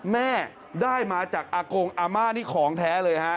แม่ได้มาจากอากงอาม่านี่ของแท้เลยฮะ